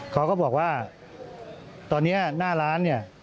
เขาก็บอกว่าตอนนี้หน้าร้านเนี่ย